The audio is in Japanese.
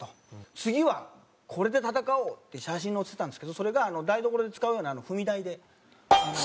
「次はこれで戦おう」って写真載せてたんですけどそれが台所で使うような踏み台で。